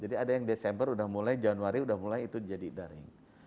jadi ada yang desember sudah mulai januari sudah mulai itu jadi daring